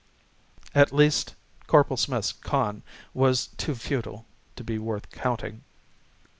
_ At least, Corporal Smith's con. was too futile to be worth counting.